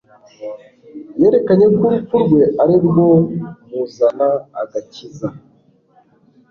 yerekanye ko urupfu rwe ari rwo mzana agakiza.